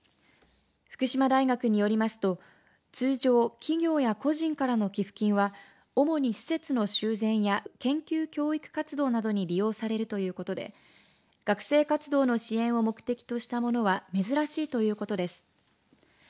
福島大学によりますと通常、企業や個人からの寄付金は主に施設の修繕や研究教育活動などに利用されるということで学生活動の支援を目的としたものは珍しいということです。